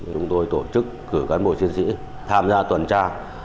chúng tôi tổ chức cử cán bộ chiến sĩ tham gia tuần tra